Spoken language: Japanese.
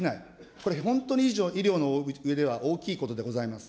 これ、本当に医療の上では大きいことでございます。